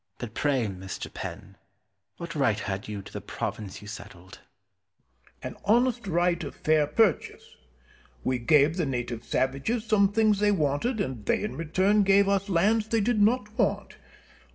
But pray, Mr. Penn, what right had you to the province you settled? Penn. An honest right of fair purchase. We gave the native savages some things they wanted, and they in return gave us lands they did not want.